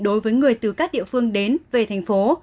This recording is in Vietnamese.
đối với người từ các địa phương đến về thành phố